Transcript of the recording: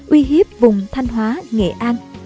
uy hiếp vùng thanh hóa nghệ an